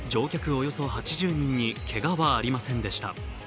およそ８０人にけがはありませんでした。